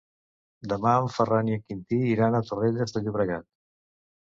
Demà en Ferran i en Quintí iran a Torrelles de Llobregat.